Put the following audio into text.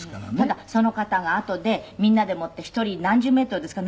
ただその方があとでみんなでもって一人何十メートルですか？